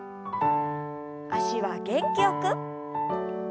脚は元気よく。